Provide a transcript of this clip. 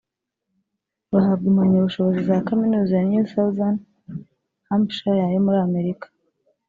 bahabwa impamyabushobozi za Kaminuza ya “New Southern Hampshire” yo muri Amerika